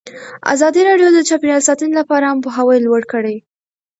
ازادي راډیو د چاپیریال ساتنه لپاره عامه پوهاوي لوړ کړی.